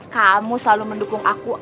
kamu selalu mendukung aku